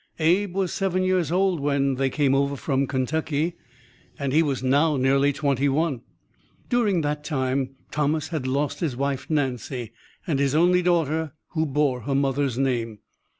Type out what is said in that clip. Abe was seven years old when they came over from Kentucky, and he was now nearly twenty one. During that time Thomas had lost his wife, Nancy, and his only daughter, who bore her mother's name.